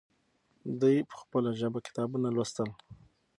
دوی په خپله ژبه کتابونه لوستل.